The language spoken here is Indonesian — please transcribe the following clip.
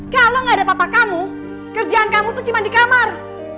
kalau gak ada papa kamu kerjaan kamu itu cuma di kamar